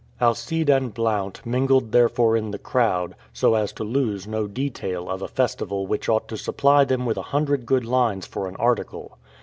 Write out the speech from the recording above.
Alcide and Blount mingled therefore in the crowd, so as to lose no detail of a festival which ought to supply them with a hundred good lines for an article.